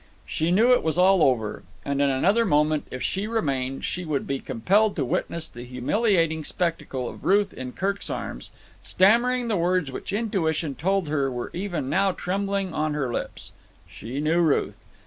She knew it was all over, that in another moment if she remained, she would be compelled to witness the humiliating spectacle of Ruth in Kirk's arms, stammering the words which intuition told her were even now trembling on her lips. She knew Ruth.